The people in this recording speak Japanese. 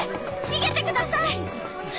逃げてください！